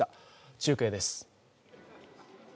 中継です。